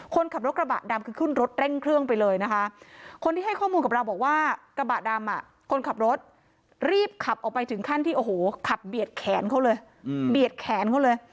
คนขับรถกระบะดำคือขึ้นรถเร่งเครื่องไปเลยนะคะคนที่ให้ข้อมูลกับเราบอกว่ากระบะดำคนขับรถรีบขับออกไปถึงขั้นที่โอ้โหขับเบียดแขนเขาเลยเบียดแขนเขาเลย